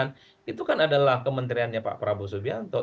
dan pangan itu kan adalah kementeriannya pak prabowo subianto